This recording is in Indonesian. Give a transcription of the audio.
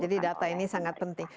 jadi data ini sangat penting